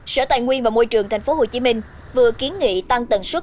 sở tài nguyên và môi trường tp hcm vừa kiến nghị tăng tần suất